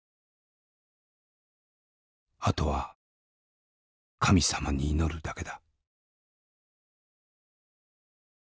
あとは神様に祈るだけだ」。